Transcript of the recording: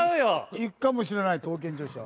いくかもしれない刀剣女子は。